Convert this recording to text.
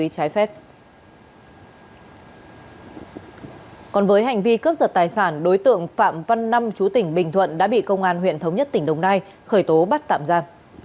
còn với hành vi cướp giật tài sản đối tượng phạm văn năm chú tỉnh bình thuận đã bị công an huyện thống nhất tỉnh đồng nai khởi tố bắt tạm ra